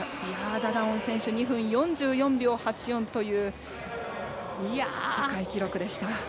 ダダオン選手、２分４４秒８４の世界記録でした。